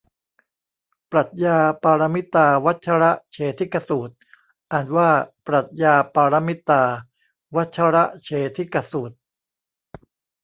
ปรัชญาปารมิตาวัชรเฉทิกสูตร อ่านว่าปรัดยาปาระมิตา วัดชะระเฉทิกะสูด